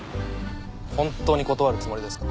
本当に断るつもりですか？